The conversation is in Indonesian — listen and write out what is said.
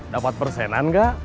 dapet persenan gak